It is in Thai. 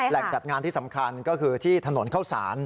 จัดงานที่สำคัญก็คือที่ถนนเข้าสาร